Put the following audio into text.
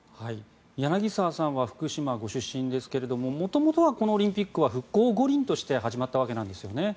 柳澤さんは福島ご出身ですけれども元々はこのオリンピックは復興五輪として始まったわけなんですよね。